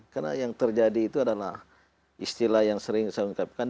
karena yang terjadi itu adalah istilah yang sering saya ungkapkan